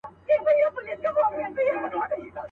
شل او دېرش کاله پخوا یې ښخولم.